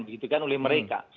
begitu kan oleh mereka